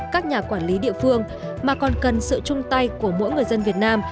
các nhà quản lý địa phương mà còn cần sự chung tay của mỗi người dân việt nam